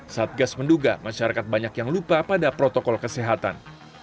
satgas menduga masyarakat banyak yang lupa pada protokol kesehatan